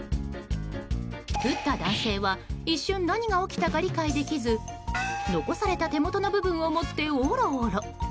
打った男性は一瞬何が起きたか理解できず残された手元の部分を持っておろおろ。